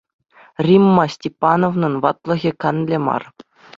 Римма Степановнӑн ватлӑхӗ канлӗ мар.